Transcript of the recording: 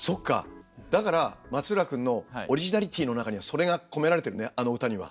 だから松浦君のオリジナリティーの中にはそれが込められてるねあの歌には。